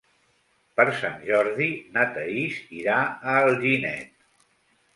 Per Sant Jordi na Thaís irà a Alginet.